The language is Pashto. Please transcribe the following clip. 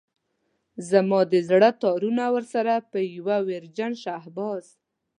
زما د زړه تارونه ورسره په يوه ويرجن شهباز.